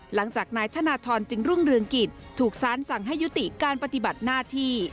หลังจากนายธนทรจึงรุ่งเรืองกิจถูกสารสั่งให้ยุติการปฏิบัติหน้าที่